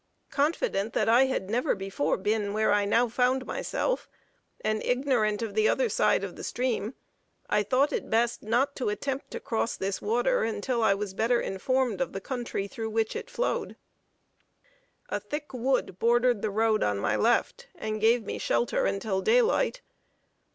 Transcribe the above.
Confident that I had never before been where I now found myself, and ignorant of the other side of the stream, I thought it best not to attempt to cross this water until I was better informed of the country through which it flowed. A thick wood bordered the road on my left, and gave me shelter until daylight.